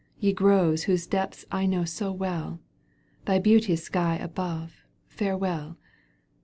Ye groves whose depths I know so well. Thou beauteous sky above, farewell